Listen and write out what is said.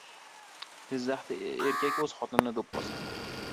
Jizzaxda erkak o‘z xotinini do‘pposladi